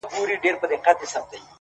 ما درته نه ويل لمنه به دي اور واخلي ته!